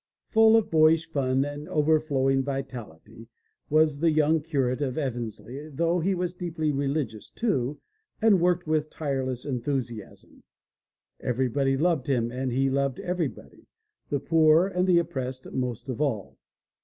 Full of boyish fun and overflowing vitality was the young curate of Eversley though he was deeply religious too, and worked with tireless enthusiasm. Everybody loved him and he loved every body, the poor and oppressed most of all.